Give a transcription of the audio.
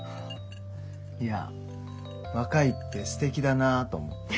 いや若いってすてきだなあと思って。